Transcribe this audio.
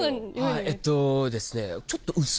えっとですね。